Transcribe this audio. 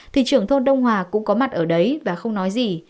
thì trưởng thôn đông hòa cũng có mặt ở đấy và không nói gì